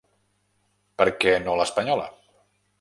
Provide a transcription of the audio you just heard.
Per què no l’espanyola?